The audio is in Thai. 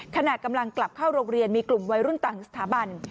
ขณะกำลังกลับเข้าโรงเรียนมีกลุ่มวัยรุ่นต่างสถาบัน